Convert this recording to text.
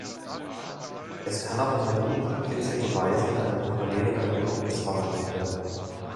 Es kann auch auf eine umkomplizierte Weise in einen parallelen Algorithmus verwandelt werden.